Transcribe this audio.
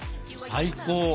最高？